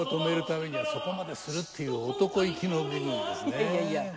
いやいやいや。